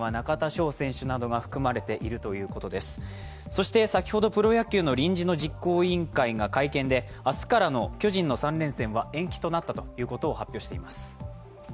そして先ほどプロ野球の臨時の実行委員会が会見で明日からの巨人の３連戦は延期となったということを発表しています。